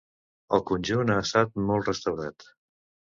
El conjunt ha estat molt restaurat.